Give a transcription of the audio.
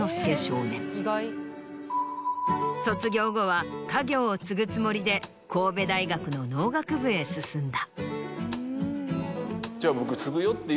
卒業後は家業を継ぐつもりで神戸大学の農学部へ進んだ。